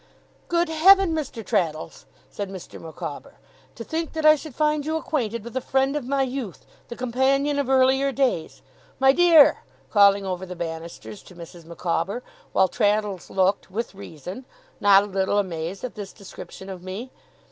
'Good Heaven, Mr. Traddles!' said Mr. Micawber, 'to think that I should find you acquainted with the friend of my youth, the companion of earlier days! My dear!' calling over the banisters to Mrs. Micawber, while Traddles looked (with reason) not a little amazed at this description of me.